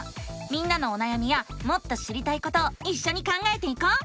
みんなのおなやみやもっと知りたいことをいっしょに考えていこう！